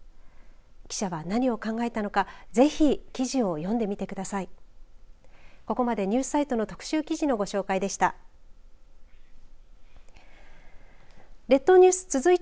記者は何を考えたのかぜひ記事を読んでみてください。